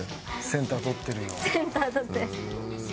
センター取って。